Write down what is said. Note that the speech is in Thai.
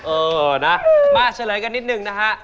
โอ้โหนะมาเฉลยกันนิดนึงนะฮะ